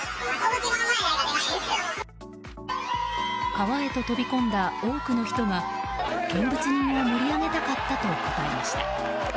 川へと飛び込んだ多くの人が見物人を盛り上げたかったと答えました。